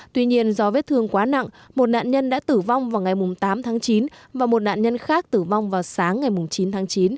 tuy nhiên do vết thương quá nặng một nạn nhân đã tử vong vào ngày tám tháng chín và một nạn nhân khác tử vong vào sáng ngày chín tháng chín